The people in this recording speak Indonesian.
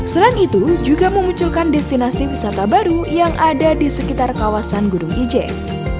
selain itu juga memunculkan destinasi wisata baru yang ada di sekitar kawasan gunung ijen